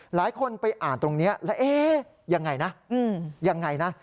หลายคนไปอ่านตรงนี้แล้วเอ๊ะยังไงนะยังไงนะ